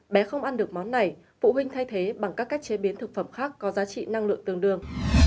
bé không ăn được món này phụ huynh thay thế bằng các cách chế biến thực phẩm khác có giá trị năng lượng tương đương